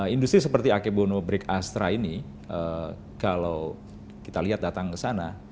industri seperti akebono break astra ini kalau kita lihat datang ke sana